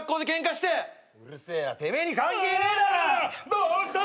どうした？